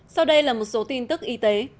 sau đây là một số tin tức y tế